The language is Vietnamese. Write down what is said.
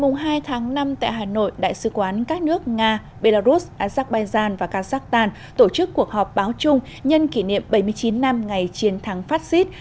ngày hai tháng năm tại hà nội đại sứ quán các nước nga belarus azerbaijan và kazakhstan tổ chức cuộc họp báo chung nhân kỷ niệm bảy mươi chín năm ngày chiến thắng fascist